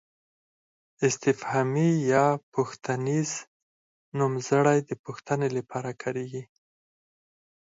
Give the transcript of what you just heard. استفهامي یا پوښتنیز نومځري د پوښتنې لپاره کاریږي.